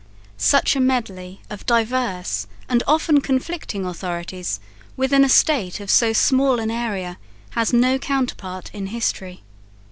Such a medley of diverse and often conflicting authorities within a state of so small an area has no counterpart in history.